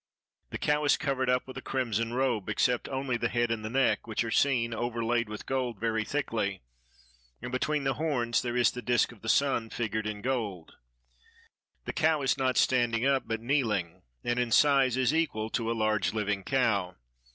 The cow is covered up with a crimson robe, except only the head and the neck, which are seen, overlaid with gold very thickly; and between the horns there is the disc of the sun figured in gold. The cow is not standing up but kneeling, and in size is equal to a large living cow.